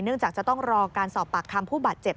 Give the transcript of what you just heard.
จากจะต้องรอการสอบปากคำผู้บาดเจ็บ